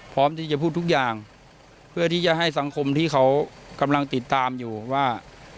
พร้อมที่จะพูดทุกอย่างเพื่อที่จะให้สังคมที่เขากำลังติดตามอยู่ว่า